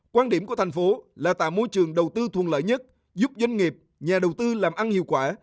quan điểm của thành phố là tạo môi trường đầu tư thuận lợi nhất giúp doanh nghiệp nhà đầu tư làm ăn hiệu quả